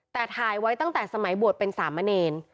แต่ถ่ายไว้ตั้งแต่สมัยบวชเป็นสามเณร